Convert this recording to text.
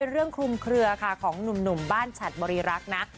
เป็นเรื่องคลุมเครือค่ะของหนุ่มบ้านฉันบริรักนัก